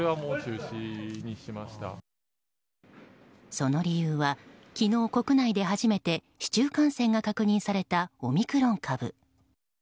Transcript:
その理由は、昨日国内で初めて市中感染が確認されたオミクロン株。